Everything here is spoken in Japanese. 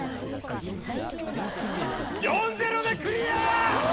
４０でクリア！